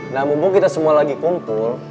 nah mumpung kita semua lagi kumpul